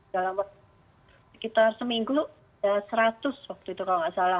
dalam waktu sekitar seminggu ada seratus waktu itu kalau nggak salah